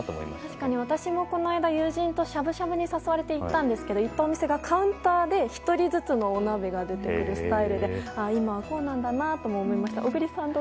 確かに私も友人にしゃぶしゃぶに誘われたんですが行ったお店がカウンターで１人ずつのお鍋が出てくるスタイルで今はこうなんだなと思いました。